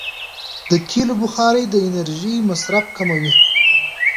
د تېلو بخاري د انرژۍ مصرف کموي.